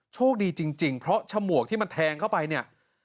โชคดีจริงเพราะฉมวกที่มันแทงเข้าไปเนี่ย